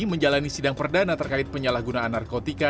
menjalani sidang perdana terkait penyalahgunaan narkotika